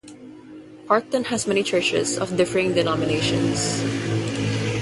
Parkton has many churches of differing denominations.